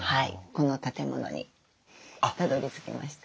この建物にたどりつきました。